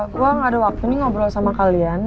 gue gak ada waktu nih ngobrol sama kalian